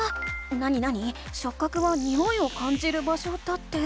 なになに「しょっ角はにおいを感じる場所」だって。